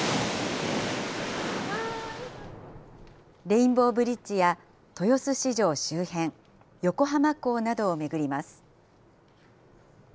レインボーブリッジや豊洲市場周辺、横浜港などを巡ります。